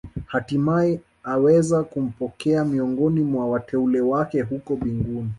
Hatimae aweze kumpokea miongoni mwa wateule wake huko mbinguni